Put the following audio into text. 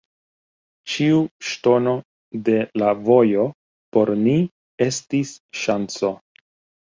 Ĉiu ŝtono de la vojo por ni estis ŝanco.